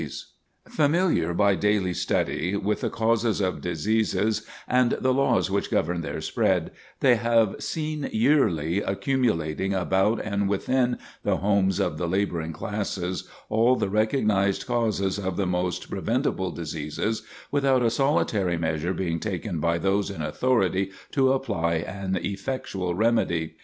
[Sidenote: Alarm of Medical Men] Familiar, by daily study, with the causes of diseases, and the laws which govern their spread, they have seen yearly accumulating about and within the homes of the laboring classes all the recognized causes of the most preventible diseases, without a solitary measure being taken by those in authority to apply an effectual remedy.